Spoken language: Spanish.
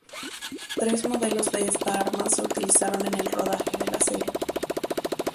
Tres modelos de esta arma se utilizaron en el rodaje de la serie.